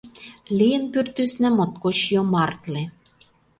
Лийын пӱртӱсна моткоч йомартле.